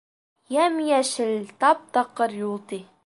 — Йәм-йәшел, тап-таҡыр юл ти.